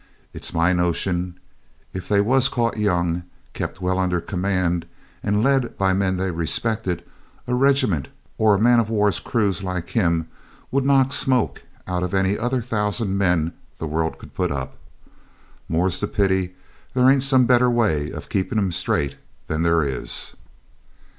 It's my notion if they was caught young, kept well under command, and led by men they respected, a regiment or a man of war's crew like him would knock smoke out of any other thousand men the world could put up. More's the pity there ain't some better way of keeping 'em straight than there is.